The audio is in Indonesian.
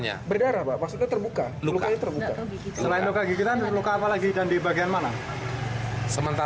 ada luka di kakinya